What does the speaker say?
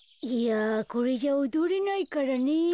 いやこれじゃおどれないからね。